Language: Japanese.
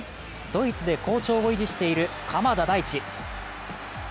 ドイツで好調を維持している鎌田大地。